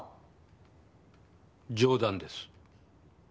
冗談です。